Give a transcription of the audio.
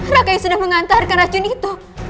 rakyat yang sudah mengantarkan racun itu